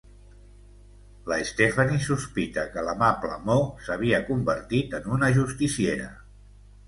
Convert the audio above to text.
La Stephanie sospita que l'amable Mo s'avia convertit en una justiciera.